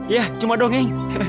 ya cuma dongeng